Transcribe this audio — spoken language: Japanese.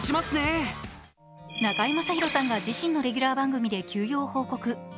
中居正広さんが自身のレギュラー番組で休養を報告。